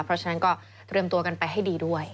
เพราะฉะนั้นก็เตรียมตัวกันไปให้ดีด้วย